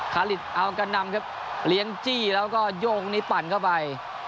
คาฬิสเอิลกันนัมครับเลี้ยงจี้แล้วก็โยงรุ่นนี้ปั่นเข้าไป